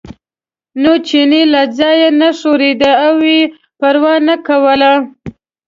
خو چیني له ځایه نه ښورېده او یې پروا نه کوله.